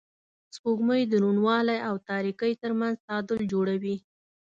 سپوږمۍ د روڼوالي او تاریکۍ تر منځ تعادل جوړوي